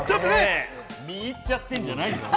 見入っちゃってんじゃないよ！